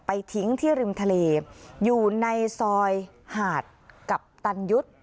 ทิ้งที่ริมทะเลอยู่ในซอยหาดกัปตันยุทธ์